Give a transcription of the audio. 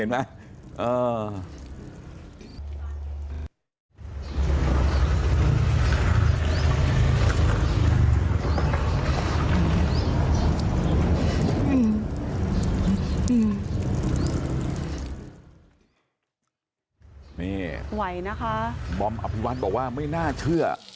นี่ไหวนะคะบอมอภิวัฒน์บอกว่าไม่น่าเชื่อ